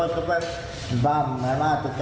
และทีนี้ผมก็ระวังมากไว้แล้ว